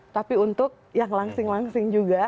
tapi untuk yang langsing langsing juga